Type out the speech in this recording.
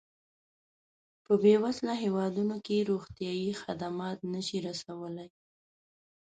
په بېوزله هېوادونو کې روغتیایي خدمات نه شي رسولای.